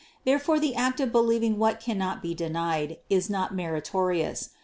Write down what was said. Therefore the act of believing what cannot be denied, is not meri torious.